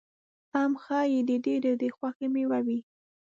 ام ښایي د ډېرو د خوښې مېوه وي.